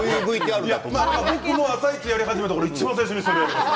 「あさイチ」やり始めたころいちばん最初にそれをやりました。